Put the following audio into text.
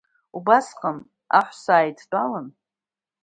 Убасҟан, аҳәса аидтәалан…